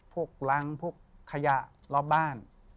พวกรังพวกขยะรอบบ้าน